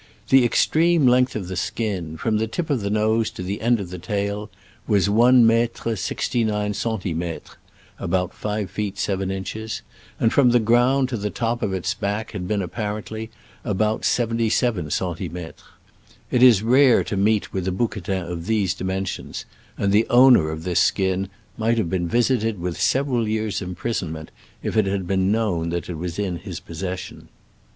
The extreme length of the skin, from the tip of the nose to the end of the tail, was one metre sixty nine centimetres (about five feet seven inches), and from the ground to the top of its back had been, apparently, about seventy seven centimetres. It is rare to meet with a bou quetin of these dimensions, and the owner of this skin might have been visited with several years' imprisonment if it had been known that it was in his possession.